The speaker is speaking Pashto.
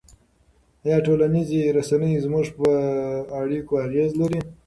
آیا ټولنیزې رسنۍ زموږ په اړیکو اغېز لري؟